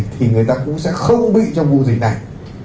thì người ta cũng sẽ không bị trong vụ dịch này